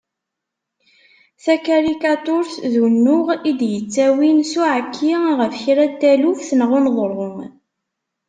Takarikaturt d unuɣ i d-yettawin s uɛekki ɣef kra n taluft neɣ uneḍru.